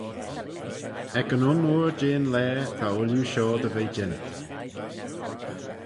Ec yn un oor jeh'n laa ta ooilley shoh dy ve jeant.